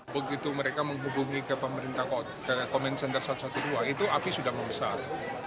begitu mereka menghubungi ke komen center satu ratus dua belas itu api sudah membesar